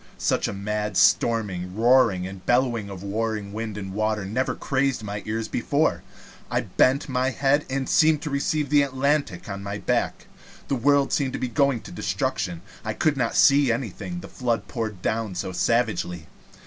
Such a mad storming, roaring, and bellowing of warring wind and water never crazed my ears before. I bent my head, and seemed to receive the Atlantic on my back. The world seemed going to destruction. I could not see anything, the flood poured down savagely.